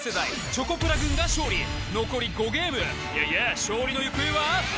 チョコプラ軍が勝利残り５ゲームイエイイエイ勝利の行方は？